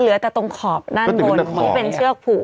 เหลือแต่ตรงขอบด้านบนที่เป็นเชือกผูก